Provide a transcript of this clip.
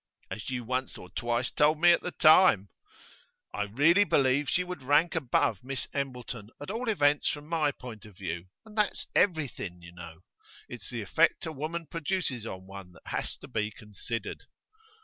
'As you once or twice told me at the time.' 'I really believe she would rank above Miss Embleton at all events from my point of view. And that's everything, you know. It's the effect a woman produces on one that has to be considered.